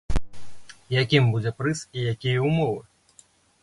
Якім будзе прыз і якія ўмовы?